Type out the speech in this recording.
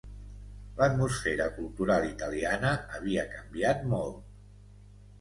L'atmosfera cultural italiana havia canviat molt.